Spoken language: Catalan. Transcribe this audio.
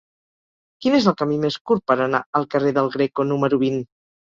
Quin és el camí més curt per anar al carrer del Greco número vint?